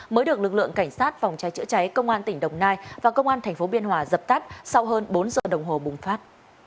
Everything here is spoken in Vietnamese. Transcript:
mới được lực lượng cảnh sát phòng cháy chữa cháy công an tỉnh đồng nai và công an tp biên hòa dập tắt sau hơn bốn giờ đồng hồ bùng phát